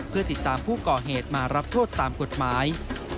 เพื่อติดตามผู้ก่อเหตุมารับโทษตามกฎหมาย